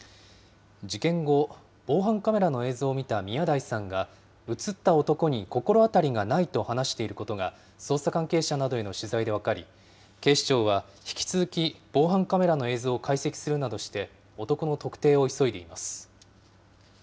事件後、防犯カメラの映像を見た宮台さんが、写った男に心当たりがないと話していることが、捜査関係者などへの取材で分かり、警視庁は引き続き、防犯カメラの映像を解析するなどして男の特定を急いでいます。